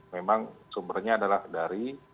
memang sumbernya adalah dari